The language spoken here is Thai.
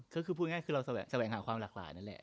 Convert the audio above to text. ก็คือพูดง่ายคือเราแสวงหาความหลากหลายนั่นแหละ